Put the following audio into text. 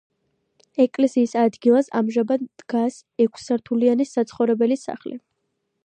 ეკლესიის ადგილას ამჟამად დგას ექვსსართულიანი საცხოვრებელი სახლი.